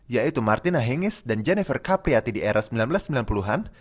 yaitu martina hengis dan jennifer capriati di era seribu sembilan ratus sembilan puluh an